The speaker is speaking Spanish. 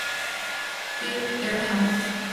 Dale Earnhardt Jr.